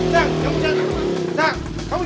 sayang jangan begini